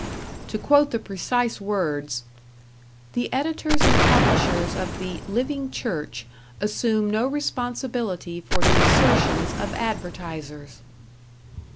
To quote the precise words: The editors and publishers of the "Living Church" assume no responsibility for the assertions of advertisers.